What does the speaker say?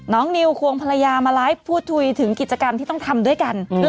นิวควงภรรยามาไลฟ์พูดคุยถึงกิจกรรมที่ต้องทำด้วยกัน